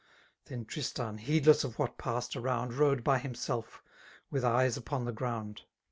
Then Tristan, heedless of what passed around^ Rode by himself, with eyes upon the ground.